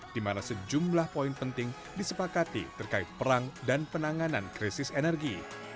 di mana sejumlah poin penting disepakati terkait perang dan penanganan krisis energi